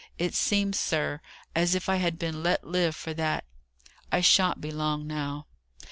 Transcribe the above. It seems, sir, as if I had been let live for that. I shan't be long now."